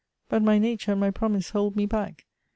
But my nature aud my promise' hold me back.